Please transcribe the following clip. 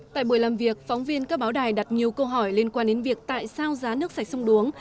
tại buổi làm việc phóng viên các báo đài đặt nhiều câu hỏi liên quan đến việc tại sao giá nước sạch sông đuống